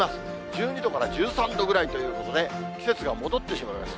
１２度から１３度ぐらいということで、季節が戻ってしまいます。